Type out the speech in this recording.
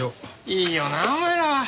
いいよなお前らは。